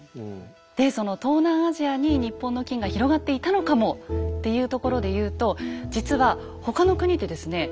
でその東南アジアに日本の金が広がっていたのかもっていうところで言うと実は他の国でですね